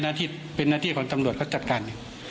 ครับอย่างก็ให้เป็นหน้าที่ของตำรวจเขาจัดการ